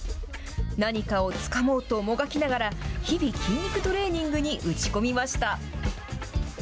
何かをつかもうともがきながら、日々、筋肉トレーニングに打ち込みました。